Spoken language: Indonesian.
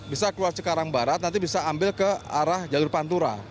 bisa keluar cekarang barat nanti bisa ambil ke arah jalur pantura